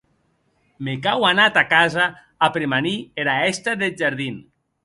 Me cau anar tà casa a premanir era hèsta deth jardin.